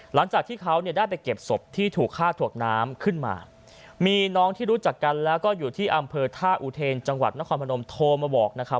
หลังจากที่เขาเนี่ยได้ไปเก็บศพที่ถูกฆ่าถ่วงน้ำขึ้นมามีน้องที่รู้จักกันแล้วก็อยู่ที่อำเภอท่าอุเทนจังหวัดนครพนมโทรมาบอกนะครับ